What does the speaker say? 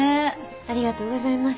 ありがとうございます。